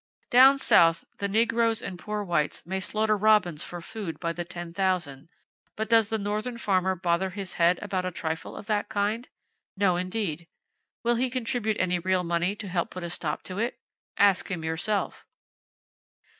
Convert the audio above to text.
Down South, the negroes and poor whites may slaughter robins for food by the ten thousand; but does the northern farmer bother his head about a trifle of that kind? No, indeed. Will he contribute any real money to help put a stop to it? Ask him yourself.